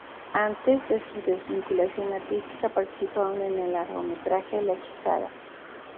Antes de su desvinculación artística, participaron en el largometraje La hechizada.